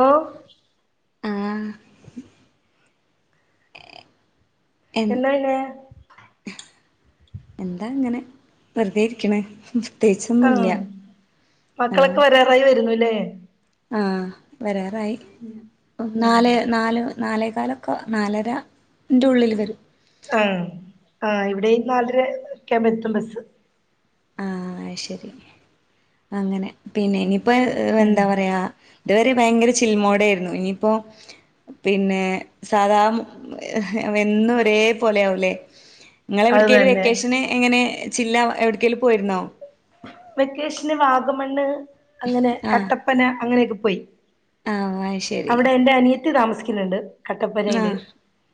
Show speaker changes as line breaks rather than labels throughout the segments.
ഓ
ആ എ
എന്നാ പി
എന്താ ഇങ്ങനെ വെറുതെ ഇരിക്ക്ണ്
ആഹ്
പ്രത്യേകിച്ചൊന്നുല്ല ആ
മക്കളൊക്കെ വരാറായി വരുന്നുല്ലേ
ആ വരാറായി
ഉം
നാലെ നാലെ നാല് ക്കാലൊക്കെ നാലര ന്റുള്ളിൽ വരും
ആ ആ ഇവിടെയും നാലര ഒക്കെ ആമ്പോ എത്തും ബസ്
ആ ശരി അങ്ങനെ പിന്നെ ഇനി ഇപ്പ
ഉം
എന്താ പറയാ ഇതുവരെ ഭയങ്കര ചിൽമോടെ ആയിരുന്നു ഇനിയിപ്പോ പിന്നെ സാദാ എന്നും ഒരേ പോലെ ആകൂലേ നിങ്ങള
അത്
എവിടക്കും
തന്നെ
വെക്കേഷന് എങ്ങനെ ചില്ല എവിടക്കെലും പോയിര്ന്നോ
വെക്കേഷന് വാഗമണ്ണ് അങ്ങനെ
ആഹ്
കട്ടപ്പന അങ്ങനെയൊക്കെ പൊയി
ആഹ് ശെരി
താമസിക്കുന്നുണ്ട് കട്ടപ്പനയില്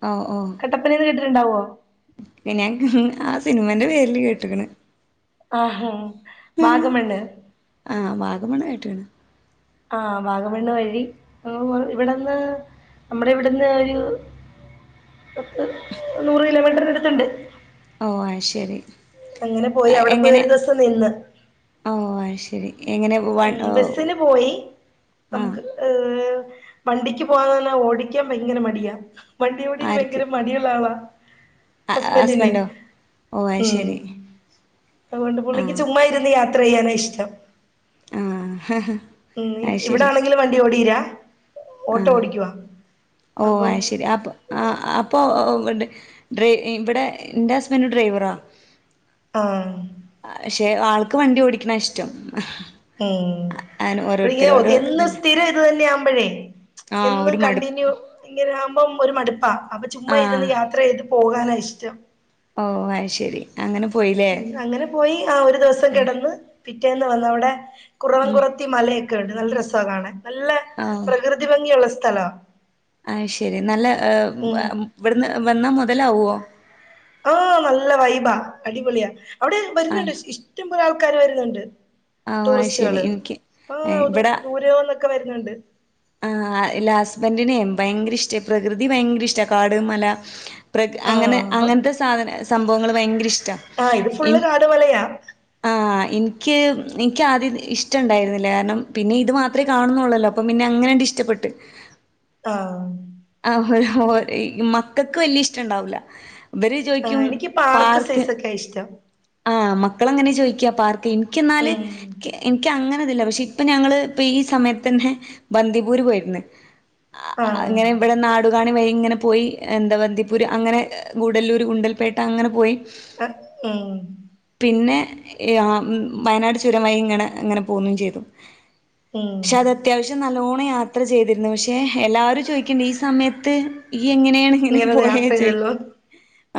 ഓ ഓ
കട്ടപ്പനെന്ന് കേട്ട- ഉണ്ടാവോ
ഞാൻ ആ സിനിമേന്റെ പേരില് കേട്ട്ക്ക്ണ്
ആഹാ
ആഹ് വാഗമണ്ണ് കെട്ടിക്ക്ണ്
ആഹ് വാഗമണ്ണ് വഴി ഇവിട്ന്ന് നമ്മടെ ഇവിടുന്ന് ഒരു പത്ത് നൂറ് കിലോമീറ്ററിടുത്തുണ്ട്
ഓ അയ്ശരി
പോയി അവിടെ പോയി
എങ്ങനെ
ഒരു ദിവസം നിന്ന്
ഓ അയ്ശരി
ഉം ബസിന് പോയി
ആഹ്
നമുക്ക് ഏ വണ്ടിക്ക് പോകന്ന്ന്നാ ഓടിക്കാൻ ഭയങ്കര മടിയാ വണ്ടിയോഡീര്
ആർക്ക്
ഭയങ്കര മടിയുള്ള ആളാ ഹസ്ബൻഡന്
ഹസ്ബൻഡോ ഓ അത്
ഉം
ശരി
അതുകൊണ്ട് പുള്ളിക്ക്
ആഹ്
ചുമ്മ ഇരുന്ന്‌ യാത്ര യാത്ര ചെയ്യാനാ ഇഷ്ടം
ആ
ഉം ഇവിടാണെങ്കിലും വണ്ടി ഓടീലാ ഓട്ടോ
ആഹ്
ഓടിക്കവാ
ഓ ശരി അപ്പ അപ്പൊ ഇവിടെ എന്റെ ഹസ്ബൻഡ് ഡ്രൈവറാ
ആഹ്
പക്ഷെ ആൾക്ക് വണ്ടി ഓടിക്കണ ഇഷ്ടം
ഉം
അങ്ങനെ ഓരോരുത്തര് ഓരോ
എന്നും
ഇതല്ലേ
സ്ഥിരം ഇത് തന്നെയ ആവുമ്പോഴേ
ആഹ്
എന്നും
ഒരു മടു
കണ്ടിന്യൂ ഇങ്ങനെ ആകുമ്പോം ഒരു മടു- അ അപ്പ ചുമ്മാ ഇരുന്ന്
ആഹ്
യാത്ര ചെയ്തു പോകാനാ ഇഷ്ടം
ഓ അയ്ശരി
ഉം അങ്ങനെ പോയി ആ ഒരു ദിവസം കെടന്ന് പിറ്റേന്ന് വന്ന്‌ അവിടെ കുറവൻ
ഉം
കുറത്തി മല ണ്ട് നല്ല രസാ കാണാൻ നല്ല പ്രകൃതി ഭംഗിയുള്ള സ്ഥലോ
അയ്ശരി നല്ല ഇവിടുന്ന് വന്നാ മൊതലാവോ
ഓ നല്ല വൈബാ അടിപൊളിയാ അവിടെ വരുന്നുണ്ട്
ആഹ്
ഇഷ്ടം കുറേ ആൾക്കാാര് വരുന്നുണ്ട്
ഓ അത് ശരി
ടൂറിസ്റ്റുകള്
എനിക്ക്
അപ്പ
ഇവിടെ
ദൂരംന്നൊക്കെ വരുന്നുണ്ട്
ആഹ് എല്ല ഹസ്ബന്റിനെ യഭയങ്കര ഇഷ്ടാ പ്രകൃതി ഭയങ്കര ഇഷ്ടാ കാട് മല പ്രകൃ അങ്ങനെ
ആഹ്
അങ്ങനത്തെ സാധന സംഭവങ്ങൾ ഭയങ്കര ഇഷ്
ആ ഇത് ഫുള്ള് കാടും മലയാ
ഇൻക്ക് ഇൻക്ക് ആദ്യം ഇഷ്ടംണ്ടായിരുന്നില്ല കാരണം പിന്നെ ഇത് മാത്രേ കാണുന്നുള്ളല്ലോ അ പിന്നെ അങ്ങനെണ്ട് ഇഷ്ടപ്പെട്ട്
ആ
ആ മക്കൾക്ക് വല്യ ഇഷ്ടണ്ടാവൂല ഇവര്
ആ
ചോയ്ക്കും
എനിക്ക് പാർക്ക് സൈസൊക്കെ ഇഷ്ടം
ആ മക്കളങ്ങനെ ചോയ്ക്ക പാർ ഇൻക്ക്‌ന്നാല്
ഉം
ഇൻക്ക്ങ്ങനെ കാണില്ല പക്ഷെ ഇപ്പൊ ഞങ്ങള് ഇപ്പ ഈ സമയത്തെന്നെ ബന്ദിപൂര് പോയിര്ന്ന്‌
ആഹ്
അങ്ങനെ ഇവിടെ നാടുകാണി വഴി ങ്ങനെ പോയി എന്താ ബന്ദിപ്പൂര് അങ്ങനെ ഗൂഡല്ലൂർ ഗുണ്ടൽപേട്ട അങ്ങനെ പോയി
ആ മ്
പിന്നെ വയനാട് ചുരംവഴിങ്ങനെ ഇങ്ങനെ പോന്നും ചെയ്തു
ഉം
പക്ഷെ അത് അത്യാവശ്യം നല്ലോണം നല്ലോണം യാത്ര ചെയ്തിരുന്നു പക്ഷേ എല്ലാവരും ചോയ്ക്കീണ്ട് ഈ സമയത്ത് [inaudible] എങ്ങനെയാണ് ഇങ്ങനെ
ഇങ്ങനൊരു യാത്ര
പോയെന്ന്
ചെയ്തല്ലോ
ചോയ്ക്കും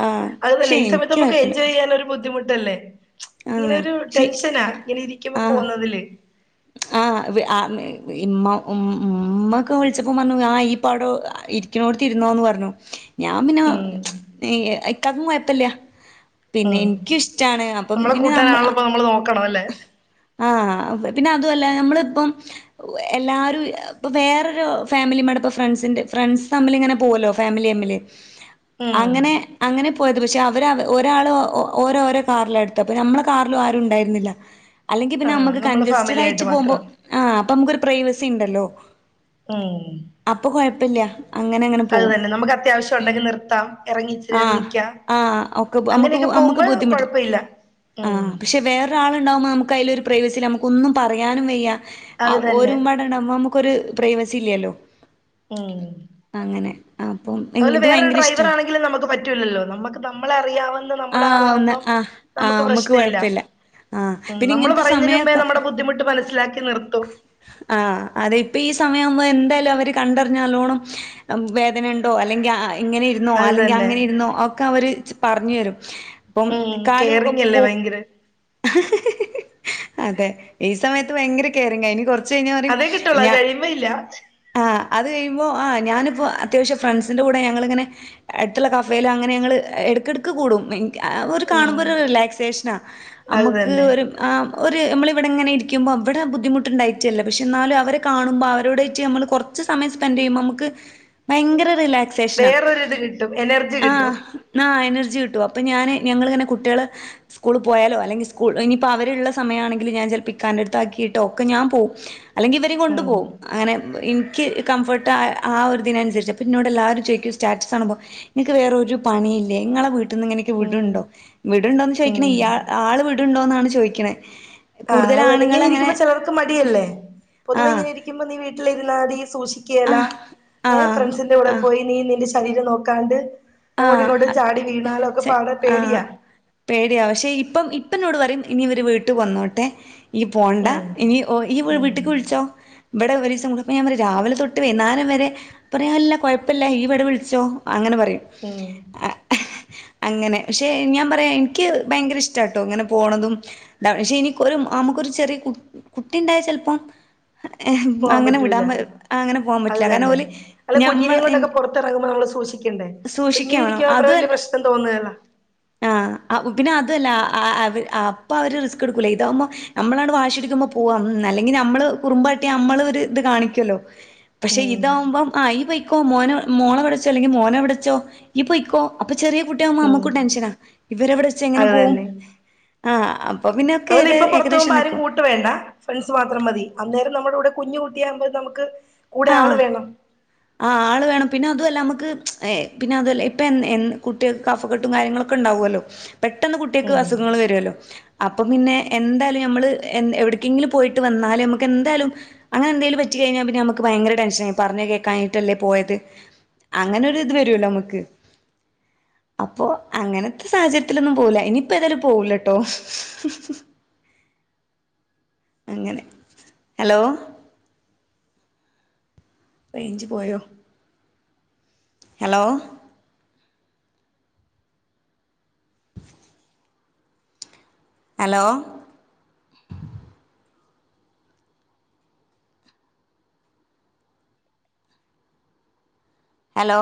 ആഹ ശെ ഇൻക്ക് കുഴപ്പല്ല്യ
ട്ടല്ലെ ഇങ്ങനെരു ടെൻഷനാ ഇങ്ങനെ ഇരിക്കുമ്പോ പോന്നതില്
ആ ഉമ്മ ഉ ഉമ്മക്കെ വിളിച്ചപ്പോം വന്നു ആ ഇപൗടെ ഇരിക്ക്‌ണോട്ത്തി രുന്നോന്ന് പർഞ്ഞു ഞാൻ പിന്നെ
ഉം
ഇക്കാക്കും കൊയ്പ്പല്ല്യ
ഉം നമ്മളെ കൂട്ടാനാണല്ലപ്പൊ നമ്മള് നോക്കണത് അല്ലേ
ആ പിന്നെ അതുമല്ല നമ്മളിപ്പം എല്ലാവരും ഇപ്പ വേറൊരു ഫാമിലിടൊപ്പം ഫ്രണ്ട്സി്റെ ഫ്രണ്ട്സ് തമ്മിൽങ്ങനെ പോകല്ലോ ഫാമിലി തമ്മില്
ഉം
അങ്ങനെ അങ്ങനെ- പോയത് പക്ഷെ അവര് ഒരാൾ ഓരോരോ കാറില എടുത്തത്. അപ്പ നമ്മെ കാറിലും ആരും ഉണ്ടായിരുന്നില്ല അല്ലെങ്കിൽ പിന്നെ
ആഹ്
നമക്ക്
നമ്മള് ഫാമിലി ആയിട്ട്
കഞ്ചസ്റ്റ്
മാത്രം
[unintelligible] പ്രൈവസി ഉണ്ടല്ലോ
[inaudible]
കുഴപ്പല്ല അങ്ങനെ അങ്ങനെ
അത്
പോവും
തന്നെ നമുക്ക് അത്യാവശ്യം ഉണ്ടെങ്കി നിർത്താം എറങ്ങി ഇച്ചിരി
ആ
നേരം നിക്കാം
ആ ഒക്കെമുക്ക്
അങ്ങനെയൊക്കെ
നമ്മുക്ക്
പോകുമ്പോ
ബുദ്ധിമുട്ട്
കൊഴപ്പ ഇല്ല
ആ്
ഉം
പക്ഷെ വേറൊരാളുണ്ടാവുമ്പോൾ നമുക്ക് അതിലരു പ്രൈവസി നമുക്ക്- ഒന്നും പറയാനും വയ്യ ആ
അത്
ഒരു
തന്നെ
ഉമ്മെടെ നമക്കൊരു ഒരു പ്രൈവസി ഇല്ലല്ലോ?
ഓ
അങ്ങനെ അപ്പം
അതുല്യ
ഇത്
വേൊരു
ഭയങ്കര
ഡ്രൈവർ
ഇഷ്ടാണ്
ആണെങ്കിലും നമുക്ക് പറ്റൂില്ലല്ലോ നമുക്ക് നമ്മളെ അറിയാവ നമ്മടെ
ആഹ് ഒന്ന്
ആളാകുമ്പോ
ആഹ്
നമുക്ക്
ആഹ്
പ്രശ്നല്ല
കൊഴപ്പില്ല ആഹ് പിന്നെ
നമ്മൾ
ഇങ്ങനത്തെ
പറയുന്നതിനു
സമയൊക്കെ
മുൻപേ ബുദ്ധിമുട്ട്- മനസ്സിലാക്കി നിർത്തും
ആ അതെ ഇപ്പൊ ഈ സ- സമയാവുമ്പെന്തായാലും അവര് കണ്ടറിഞ്ഞ് നല്ലോണം വേദന ഉണ്ടോ അല്ലെങ്കിൽ അ ഇങ്ങനെ ഇരുന്നോ
അത്
അല്ലെങ്കിൽ
തന്നെ
അങ്ങനെ ഇരുന്നോ ഒക്കെ അവര് പറഞ് തരും ഇപ്പം
ഉം
കാലുക
കെയറിങ് അല്ലേ
പൊ
ഭയങ്കര
അതെ ഈ സമയത്ത് പ്പം ഭയങ്കര കെ കെയറിങ്ങാ ഇനി കുറച്ച്
അതെ കിട്ടളൂ അത്കഴിയുമ്പോ ഇല്ല
ആഹ് അത് കഴിയുമ്പോൾ ആ ഞാനിപ്പോൾ അത്യാവശ്യം ഫ്രണ്ട്സിൻ്റെ കൂടെ ഞങ്ങളിങ്ങനെ അടുത്തുള്ള കഫയിലോ അങ്ങനെ ഞങ്ങൾ എട്ക്കെട്ക്ക് കൂടും ഒരു
ഉം
കാണുമ്പോൾ ഒരു റിലാക്സേഷനാണ്
അത്
നമ്മക്ക്
തന്നെ
ഒരു ആ- ഒരു നമ്മള ഇവിടെ ഇങ്ങന ഇരിക്കുമ്പോൾവിടെ ഇവിടെ ബു ബുദ്ധിമുട്ടണ്ടായിട്ടല്ല പക്ഷെ എന്നാലും അവരെ കാണുമ്പോൾ അവരോടേറ്റ് നമ്മൾ കുറച്ച് സമയ സ്പെന്റ് ചെയ്യുമ്പോ നമക്ക് ഭയങ്കര റില
വേറൊരു ഇത് കിട്ടും എനർജി കിട്ടും
ജി കിട്ടും അപ്പോ ഞാന് ഞങ്ങൾങ്ങനെ കുട്ടികള് സ്കൂൾ പോയാലോ അല്ലെങ്കിൽ സ്കൂ ഇനിപ്പോ അവരെ ഉള്ള സമയമാണെങ്കിൽ ഞൻ ചിലപ്പോൾ ഇക്കാന്റെ അട്ത്ത് ആക്കിട്ട് ട്ടോക്കെ ഞാൻ പോവും അല്ലെങ്കിൽ ഇവരെ കൊണ്ടു
ഉം
പോകും അങ്ങനെ എനിക്ക് കംഫർട്ട് ആ ഒരു ദിനം അനുസരിച്ച് അപ്പോം എന്നന്നോട് എല്ലാവും ചോദിക്കും സ്റ്റാറ്റസ് ആണുമ്പോൾ എനിക്ക് വേറൊരു പണിയില്ല നിങ്ങളെ വീ ഇങ്ങനെയൊക്കെ
ഉം
വിട്ണ്ടോ വിട്ണ്ടോന്ന് ചോദിക്ക്ണ
ഉം
ആൾ വിടുണ്ടോന്നാ ന്ന് ചോയ്ക്ക്ണെ
ആഹ് വ് നിങ്ങനെ ഇരിക്കുമ്പോ ചെലൊവർക്ക് മടിയല്ലേ പൊതുവെ
ആഹ്
ഇങ്ങനെ ഇരിക്കുമ്പോ നീ വീട്ടിലിരുന്നാതി സോഷി കേരളാ
ആഹ്
ഏ
ആഹ്
ഫ്രണ്ട്സിന്റെ കൂടെ
ആഹ്
പോയി നീ നിന്റെ ശരീരം നോക്കാണ്ട് എങ്ങോട്ട് ഇങ്ങോട്ട്
ആഹ്
ചാടി വീണാലും ഒക്കെ
ചെ
പാടേ
ആഹ്
പേടിയാ
ഇപ്പെന്നോട് പറയും ഇനി ഇവര് വീട്ടിൽ വന്നോട്ടെ ഇനി പോണ്ട
ഉം
ഇനി ഓ ഈ
ഉം
വീട്ടിക്ക് വിളിച്ചോ ഇവിടെ ഒരു ദിവസം അപ്പം ഞാൻ പറയും രാവിലെ തൊട്ട് വൈന്നാരം വരെ പറയും അല്ല കുഴപ്പല്ല നീ ഇവിടെ വിളിച്ചോ അങ്ങനെ പറയും
ഉം
അങ്ങനെ പക്ഷെ ഞാൻ പറയാ എനിക്ക് ഭയങ്കര ഇഷ്ടാട്ടോ ഇങ്ങനെ പോണതും എ പക്ഷെ എനിക്ക് ഒരു നമുക്കൊരു ചെറിയ കു കുട്ടി ഉണ്ടായ ചെലപ്പം
പോവാൻ
അങ്ങനെ വിടാൻ
പറ്റൂല
അങ്ങനെ പോകാൻ
അത്
പറ്റില്ല കാരണം
തന്നെ
ഓല്
അല്ല
ഞമ്മ
കുഞ്ഞിനെയും കൊണ്ടൊക്കെ പുറത്തിറങ്ങുമ്പോ നമ്മള് സൂക്ഷിക്കണ്ടേ ഇപ്പൊ ഇങ്ങനെ
സൂക്ഷിക്കണം
ഇരിക്കുമ്പോ അത്ര വലിയ
അതുവല്ല
പ്രശ്നം തോന്നുകേല
ആ പിന്നെ അതുവല്ല അ അത് അപ്പൊ അവര് റിസ്ക് എടുക്കൂല്ല ഇതാവുമ്പോ നമ്മള് വാശിയെടുക്കുമ്പോ പോവാ അല്ലെങ്കി നമ്മള് കുറുമ്പ്കാട്ടിയാ നമ്മള് ഒരു ഇത് കാണിക്കല്ലോ പക്ഷെ
ഉം
ഇതാവുമ്പം ആ ഈ പൊ ക്കു മോനെ മോളെ വിളിച്ചോ അല്ലേ മോനെ വിടെ ച്ചോ ഈ പൊയ്ക്കോ അപ്പൊ ചെറിയ കുട്ടിയാകുമ്പോ
ഉം
നമ്മുക്കും ടെൻഷനാ ഇവരെവിടെ വെച്ച് എങ്ങനെ പോകും ആഹ് പിന്നെ ഒക്കെ
അതുവല്ല
ഏത്
ഇപ്പൊ പുറത്തു
ഏകദേശം
പോവുമ്പോ ആരും
നിക്കും.
കൂട്ട് വേണ്ട ഫ്രണ്ട്സ് മാത്രം മതി അന്നേരം നമ്മടെ കൂടെ കുഞ്ഞ് കുട്ടിയാകുമ്പോൾ ഇത് നമുക്ക് കൂടെ ആള് വേണം
ആഹ് ആള് വേണം പിന്നെ അതുമല്ല നമ്മുക്ക് ഏ പിന്നെ അതുവല്ല ഇപ്പൊ എ എന്ന് കുട്ടികൾക്ക് കഫ കെട്ടും കാര്യങ്ങളൊക്കെ ഉണ്ടാവുവല്ലോ പെട്ടെന്ന് കുട്ടിയേക്ക്
ഉം
അസുഖങ്ങള് വരുവല്ലോ അപ്പം പിന്നെ എന്തായാലും നമ്മള് എവിട്ക്കെങ്കിലും പോയിട്ട് വന്നാലും നമുക്ക് എന്തായാലും അങ്ങനെ എന്തേലും പറ്റി കഴിഞ്ഞാൽ പിന്നെ നമുക്ക് ഭയങ്കര ടെൻഷനായി പറഞ്ഞ കേ കഴിഞ്ഞിട്ടല്ലേ പോയത് അങ്ങനൊരു ഇത് വരൂല്ലോ നമ്മക്ക് അപ്പൊ അങ്ങനത്തെ സാഹചര്യത്തിലൊന്നും പോവില്ല ഇനിയിപ്പോ എതായാലും പോവില്ല കേട്ടോ അങ്ങനെ ഹലോ റേഞ്ച് പോയോ ഹലോ ഹലോ ഹലോ